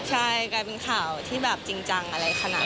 ใช่กลายเป็นข่าวที่จริงจังขนาดนี้